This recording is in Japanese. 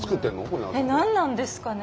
何なんですかね？